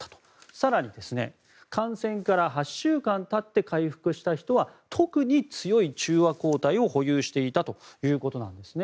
更に、感染から８週間経って回復した人は特に強い中和抗体を保有していたということなんですね。